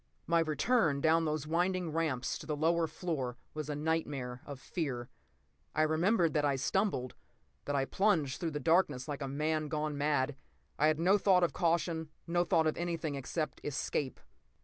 p> My return down those winding ramps to the lower floor was a nightmare of fear. I remember that I stumbled, that I plunged through the darkness like a man gone mad. I had no thought of caution, no thought of anything except escape.